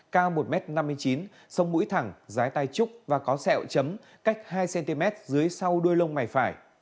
cao một m năm mươi chín sông mũi thẳng giá tai trúc và có sẹo chấm cách hai cm dưới sau đuôi lông mày phải